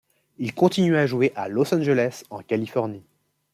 Il continue à jouer à Los Angeles en Californie.